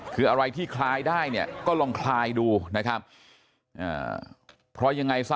คืออะไรที่คลายได้เนี่ยก็ลองคลายดูนะครับเพราะยังไงซะ